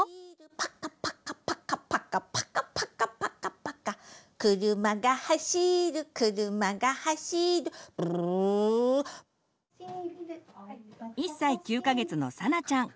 「パカパカパカパカパカパカパカパカ」「くるまがはしるくるまがはしる」「ブルルル」１歳９か月のさなちゃん。